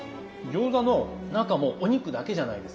餃子の中もお肉だけじゃないですか。